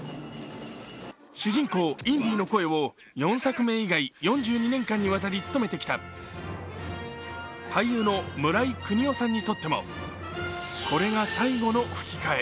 主人公・インディの声を４作目以外、４２年間にわたり務めてきた俳優の村井國夫さんにとってもこれが最後の吹き替え。